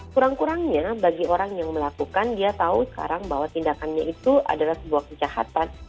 kurang kurangnya bagi orang yang melakukan dia tahu sekarang bahwa tindakannya itu adalah sebuah kejahatan